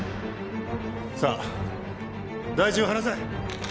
さあ大臣を放せ。